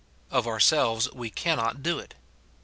Of ourselves we cannot do it.